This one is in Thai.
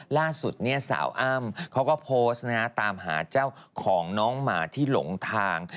ล่าสุดเนี่ยสาวอ้ำเขาก็โพสต์นะตามหาเจ้าของน้องหมาที่หลงทาง